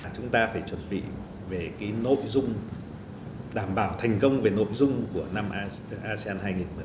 chúng ta phải chuẩn bị về nội dung đảm bảo thành công về nội dung của năm asean hai nghìn một mươi tám